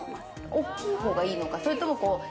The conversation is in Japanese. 大きい方がいいのかそれとも。